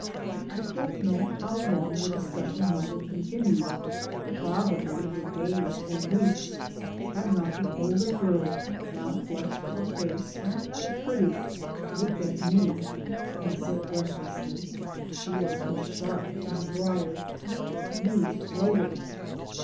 I don't know how long the discussion might have continued probably for days or weeks had not the older girl, now flushed of face and rather pretty, looked at me and said breathlessly (she was as sharp as a briar): "You wrote it."